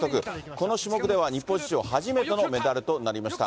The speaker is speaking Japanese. この種目では日本史上初めてのメダルとなりました。